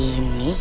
sasi tau sih